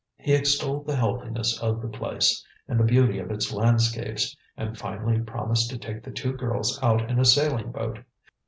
He extolled the healthiness of the place, and the beauty of its landscapes, and finally promised to take the two girls out in a sailing boat.